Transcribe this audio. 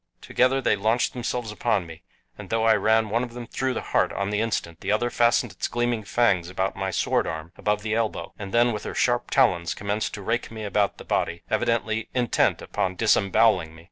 Together they launched themselves upon me, and though I ran one of them through the heart on the instant, the other fastened its gleaming fangs about my sword arm above the elbow, and then with her sharp talons commenced to rake me about the body, evidently intent upon disemboweling me.